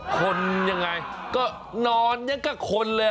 คนยังไงก็นอนยังกับคนเลย